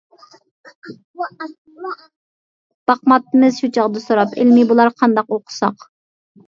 باقماپتىمىز شۇ چاغدا سوراپ: «ئىلمىي بولار قانداق ئوقۇساق؟ ».